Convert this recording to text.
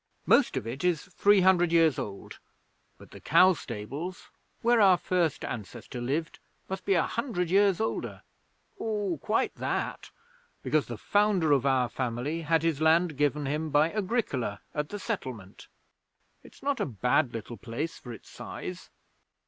Most of it is three hundred years old, but the cow stables, where our first ancestor lived, must be a hundred years older. Oh, quite that, because the founder of our family had his land given him by Agricola at the Settlement. It's not a bad little place for its size.